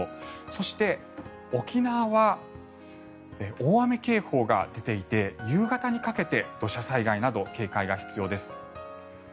そして、沖縄は大雨警報が出ていて夕方にかけて土砂災害など警戒が必要です。